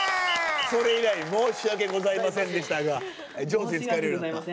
それ以来「申し訳ございませんでした」が上手に使えるようになった。